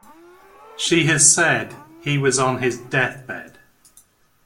She has said, He was on his deathbed.